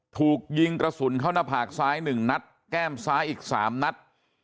ถูกยิงกระสุนเข้านับผากซ้ายหนึ่งนัดแก้มซ้ายอีกสามนัด